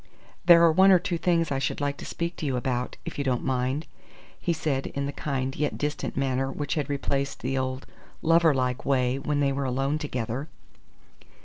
"There are one or two things I should like to speak to you about, if you don't mind," he said, in the kind yet distant manner which had replaced the old lover like way when they were alone together.